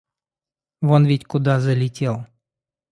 Вон ведь куда залетел!